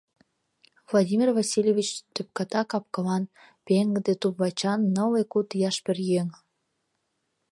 Владимир Васильевич тӧпката кап-кылан, пеҥгыде туп-вачан нылле куд ияш пӧръеҥ.